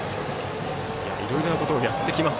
いろいろなことをやってきます。